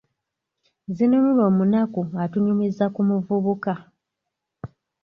Zinunula omunaku atunyumiza ku muvubuka.